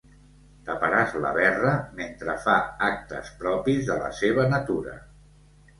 Taparàs la verra mentre fa actes propis de la seva natura.